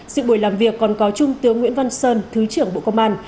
sự buổi làm việc còn có trung tướng nguyễn văn sơn thứ trưởng bộ công an